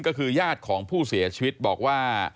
ก็คือญาติของผู้เสียชีวิตบอกว่า